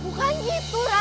bukan gitu ra